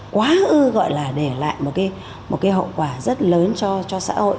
quá ư gọi là để lại một cái hậu quả rất lớn cho xã hội